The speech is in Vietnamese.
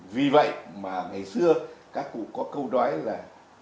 vì vậy mà ngày xưa các cụ có câu nói là